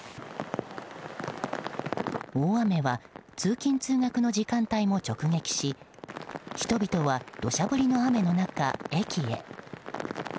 大雨は通勤・通学の時間帯も直撃し人々は土砂降りの雨の中、駅へ。